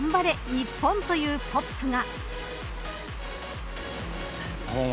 日本！というポップが。